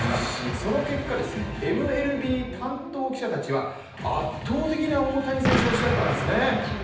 その結果ですね、ＭＬＢ担当記者たちは圧倒的な大谷推しだったんですね。